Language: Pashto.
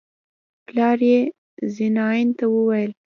پلار يې نازنين ته وويل